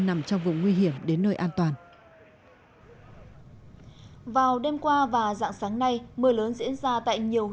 nằm trong vùng nguy hiểm đến nơi an toàn vào đêm qua và dạng sáng nay mưa lớn diễn ra tại nhiều